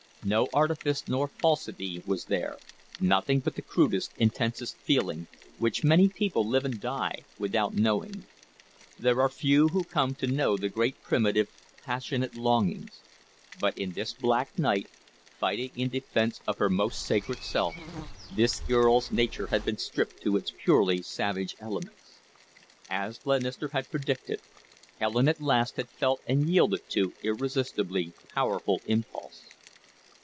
No artifice nor falsity was there, nothing but the crudest, intensest feeling, which many people live and die without knowing. There are few who come to know the great primitive, passionate longings. But in this black night, fighting in defence of her most sacred self, this girl's nature had been stripped to its purely savage elements. As Glenister had predicted, Helen at last had felt and yielded to irresistibly powerful impulse.